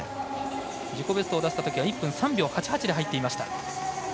自己ベストを出したときは１分３秒８８で入ってきました。